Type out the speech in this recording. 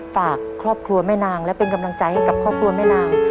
ฝากครอบครัวแม่นางและเป็นกำลังใจให้กับครอบครัวแม่นาง